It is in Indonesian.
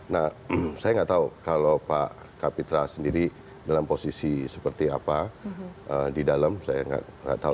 nah saya nggak tahu kalau pak kapitra sendiri dalam posisi seperti apa di dalam saya nggak tahu